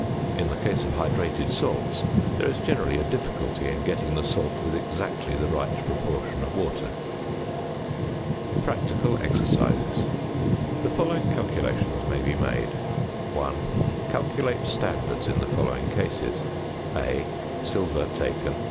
In the case of hydrated salts there is generally a difficulty in getting the salt with exactly the right proportion of water. PRACTICAL EXERCISES. The following calculations may be made: 1. Calculate standards in the following cases (a) Silver taken, 1.